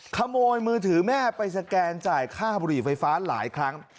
ขโมยมือถือแม่ไปสแกนจ่ายค่าบุหรี่ไฟฟ้าหลายครั้ง